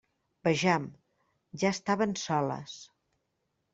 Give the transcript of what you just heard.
Vejam, ja estaven soles.